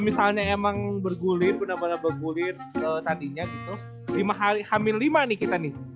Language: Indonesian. misalnya emang bergulir bener bener bergulir ke tadinya gitu lima hari hamil lima nih kita nih